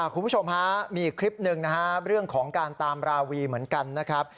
คุณผู้ชมฮะมีอีกคลิปหนึ่งนะฮะเรื่องของการตามราวีเหมือนกันนะครับ